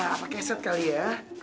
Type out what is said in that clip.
apa keset kali ya